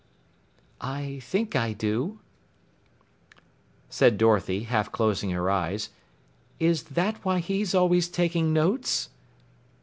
"I think I do," said Dorothy, half closing her eyes. "Is that why he's always taking notes?"